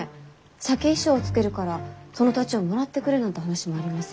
酒一升つけるからその土地をもらってくれなんて話もあります。